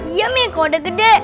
iya mi kalau udah gede